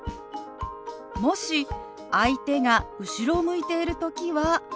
もし相手が後ろを向いている時は。